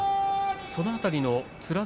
その辺りのつら